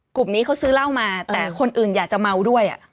กลุ่มนี้เขาซื้อเหล้ามาแต่คนอื่นอยากจะเมาด้วย